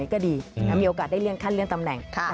ก็ดีมีโอกาสได้เลื่อนขั้นเลื่อนตำแหน่ง